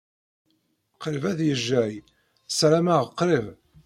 Qrib ad yejjey? Ssarameɣ qrib.